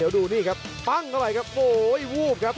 เดี๋ยวดูนี่ครับปั้งเข้าไปครับโอ้โหวูบครับ